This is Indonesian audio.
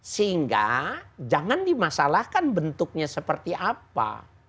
sehingga jangan dimasalahkan bentuknya seperti apa